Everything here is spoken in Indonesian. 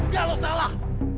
biar lo salah